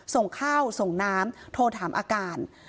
ส่งข้าวส่งน้ำโทรถามอาการ